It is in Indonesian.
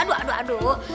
aduh aduh aduh